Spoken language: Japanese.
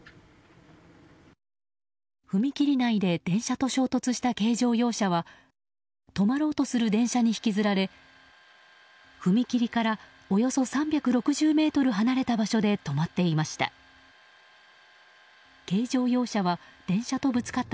踏切内で電車と衝突した軽乗用車は止まろうとする電車に引きずられ踏切からおよそ３６０ｍ離れた場所で止まっていました。